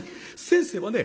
先生はね